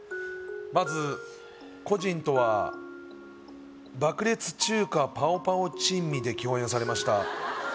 まず故人とは「爆裂中華パオパオ珍味」で共演されました